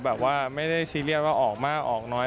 แบบว่าไม่ได้ซีเรียสว่าออกมากออกน้อย